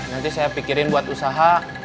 nanti saya pikirin buat usaha